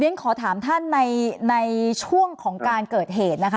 เวียงขอถามท่านในช่วงของการเกิดเหตุ